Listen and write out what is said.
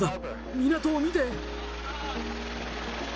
港を見て。